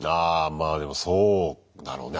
まあでもそうだろうね。